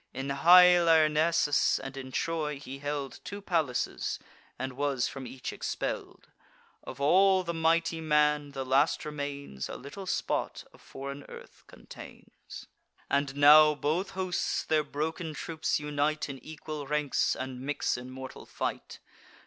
In high Lyrnessus, and in Troy, he held Two palaces, and was from each expell'd: Of all the mighty man, the last remains A little spot of foreign earth contains. And now both hosts their broken troops unite In equal ranks, and mix in mortal fight.